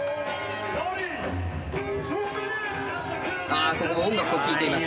あここも音楽を聴いています。